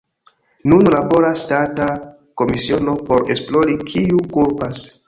Nun laboras ŝtata komisiono por esplori, kiu kulpas.